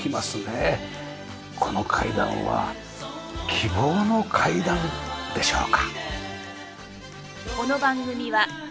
この階段は希望の階段でしょうか。